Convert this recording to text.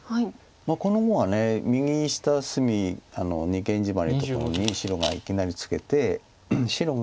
この碁は右下隅二間ジマリのとこに白がいきなりツケて白が。